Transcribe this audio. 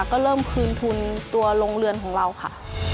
ก็เริ่มคืนทุนตัวโรงเรือนของเราค่ะ